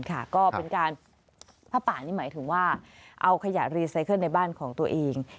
ก็เป็นการผ้าป่านี่หมายถึงว่าเอาขยะรีไซเคิลในบ้านของตัวเอง